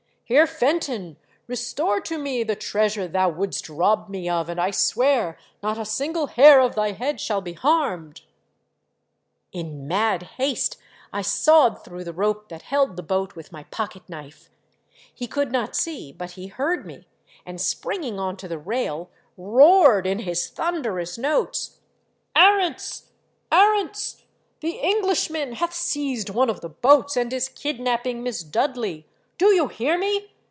" Heer Fenton, restore to me the treasure thou wouldst rob me of and I swear not a single hair of thy head shall be harmed." In mad haste I sawed through the rope that held the boat with niy pocket knife. MY POOR DARLING. 495 He could not see, but he heard me ; and springing on to the rail, roared, in his thunderous notes, " Arents, Arents, the Englishman hath seized one of the boats and is kidnapping Miss Dudley. Do you hear me